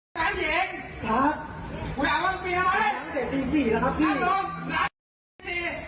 ผมมาแต่ตี๔แล้วครับพี่